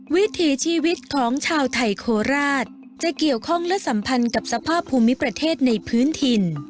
วิถีชีวิตของชาวไทยโคราชจะเกี่ยวข้องและสัมพันธ์กับสภาพภูมิประเทศในพื้นถิ่น